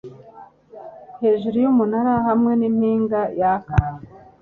hejuru yumunara hamwe nimpinga yaka